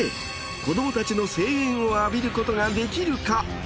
子どもたちの声援を浴びることができるか？